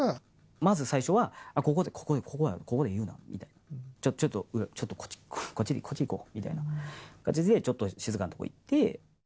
まず最初は、ここで言うなみたいな、ちょっと、ちょっとこっち行こうみたいな、ちょっと静かなとこ行って。